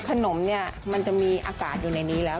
ขนมเนี่ยมันจะมีอากาศอยู่ในนี้แล้ว